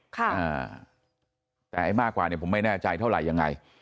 แต่ไอ้มากกว่าเนี่ยผมไม่แน่ใจเท่าไหร่ยังไง